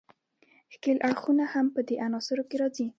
ښکیل اړخونه هم په دې عناصرو کې راځي.